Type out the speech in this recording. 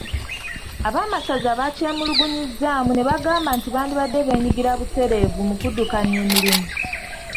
Ab'amasaza baakyemulugunyizzaamu ne bagamba nti bandibadde beenyigira butereevu mu kuddukanya emirimu.